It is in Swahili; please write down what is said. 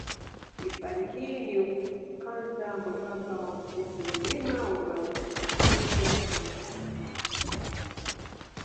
Hifadhi hii ni ukanda mwembamba wa msitu wa mlima unaokatizwa na miteremko mikali